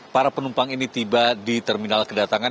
para penumpang ini tiba di terminal kedatangan